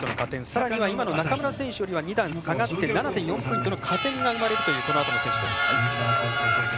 さらには、今の中村選手よりは２段下がって７．４ポイントの加点が生まれるというこのあとの選手です。